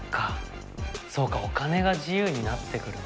そうかお金が自由になってくる。